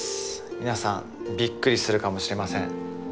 皆さんびっくりするかもしれません。